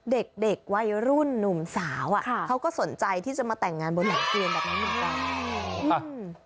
เด็กวัยรุ่นนุ่มสาวเขาก็สนใจที่จะมาแต่งงานบนหลังเกลียนแบบนี้